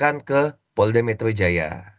kami langsung melaporkan ke polda metro jaya